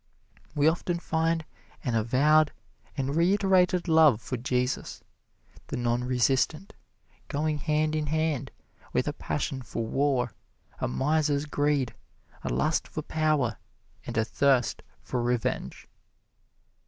We often find an avowed and reiterated love for Jesus, the non resistant, going hand in hand with a passion for war, a miser's greed, a lust for power and a thirst for revenge.